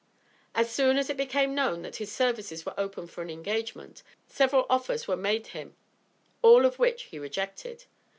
As soon as it became known that his services were open for an engagement, several offers were made him, all of which he rejected.